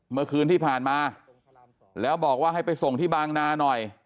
เมื่อคืนที่ผ่านมาแล้วบอกว่าให้ไปส่งที่บางนาหน่อย